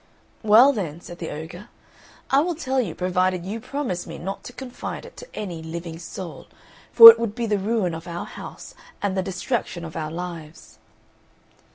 "Well then," said the ogre, "I will tell you provided you promise me not to confide it to any living soul, for it would be the ruin of our house and the destruction of our lives."